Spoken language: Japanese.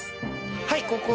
はいここで。